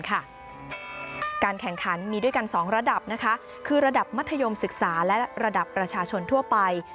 การแข่งขันมีด้วยกัน๒ระดับคือระดับมัธยมศึกษาและระดับประชาชนทั่วไป